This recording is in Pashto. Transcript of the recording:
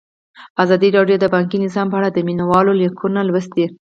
ازادي راډیو د بانکي نظام په اړه د مینه والو لیکونه لوستي.